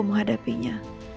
terima kasih bu